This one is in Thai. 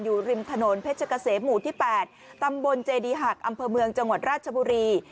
อยู่ริมถนนเพชรเกษมหมู่ที่๘ตำบลเจดีหักอำเภอเมืองจังหวัดราชบุรี